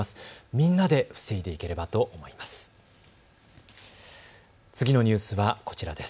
みんなで防いでいければと思います。